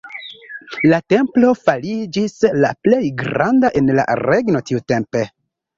La templo fariĝis la plej granda en la regno tiutempe.